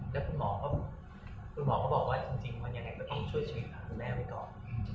แล้วคุณหมอก็คุณหมอก็บอกว่าจริงมันยังไงก็ต้องช่วยชีวิตหาคุณแม่ไว้ก่อน